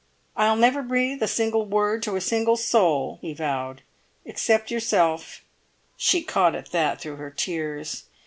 "I'll never breathe a single word to a single soul," he vowed, "except yourself." She caught at that through her tears.